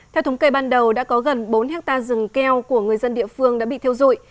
theo thống kê ban đầu đã có gần bốn hectare rừng keo của người dân địa phương đã bị thiêu dụi